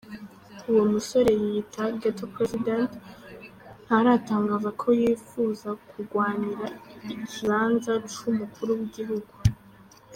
Uwo musore yiyita "ghetto president" ntaratangaza ko yipfuza kugwanira ikibanza c'umukuru w'igihugu.